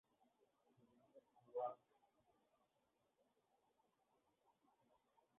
ইংল্যান্ডের ঘরোয়া কাউন্টি ক্রিকেটে সারে দলের প্রতিনিধিত্ব করছেন।